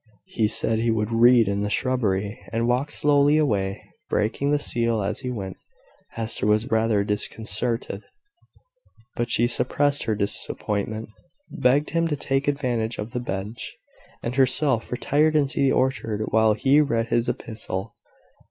He said he would read in the shrubbery, and walked slowly away, breaking the seal as he went. Hester was rather disconcerted; but she suppressed her disappointment, begged him to take advantage of the bench, and herself retired into the orchard while he read his epistle.